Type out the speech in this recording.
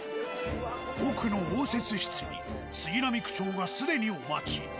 奥の応接室に杉並区長が既にお待ち。